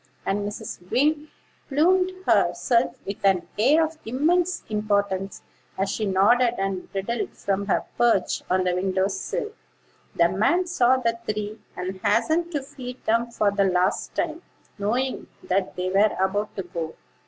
And Mrs. Wing plumed herself with an air of immense importance, as she nodded and bridled from her perch on the window sill. The man saw the three, and hastened to feed them for the last time, knowing that they were about to go.